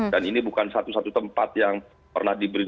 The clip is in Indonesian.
dan ini bukan satu satu tempat yang pernah diberi denda